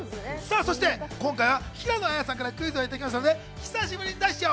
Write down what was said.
そして今回は平野綾さんからクイズをいただきましたので久しぶりに出しちゃお！